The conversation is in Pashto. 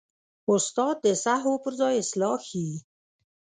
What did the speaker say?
استاد د سهوو پر ځای اصلاح ښيي.